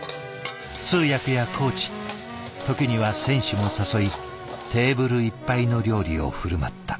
通訳やコーチ時には選手も誘いテーブルいっぱいの料理を振る舞った。